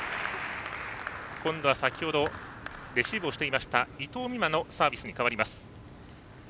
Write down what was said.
今度は先ほどレシーブをしていましたが伊藤美誠のサービスに変わります。